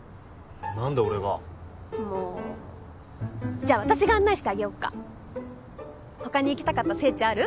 何で俺がもうじゃあ私が案内してあげよっか他に行きたかった聖地ある？